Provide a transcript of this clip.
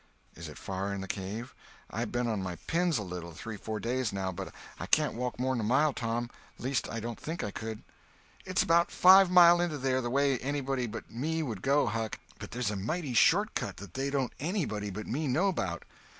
"Is it far in the cave? I ben on my pins a little, three or four days, now, but I can't walk more'n a mile, Tom—least I don't think I could." "It's about five mile into there the way anybody but me would go, Huck, but there's a mighty short cut that they don't anybody but me know about.